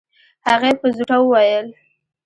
هغې په زوټه وويل.